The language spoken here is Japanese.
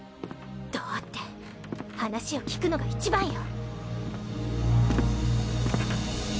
どうって話を聞くのが一番よ。